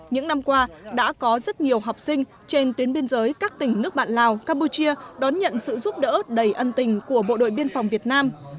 những năm qua đã có rất nhiều học sinh trên tuyến biên giới các tỉnh nước bạn lào campuchia đón nhận sự giúp đỡ đầy ân tình của bộ đội biên phòng việt nam